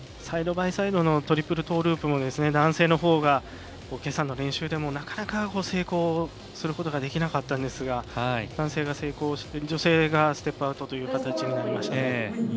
サイドバイサイドのトリプルトーループも男性のほうがけさの練習でも、なかなか成功することができなかったんですが男性が成功して女性がステップアウトという形になりました。